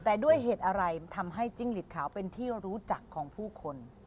แต่ด้วยเหตุอะไรทำให้จิ้งหลีดขาวเป็นที่รู้จักของผู้คน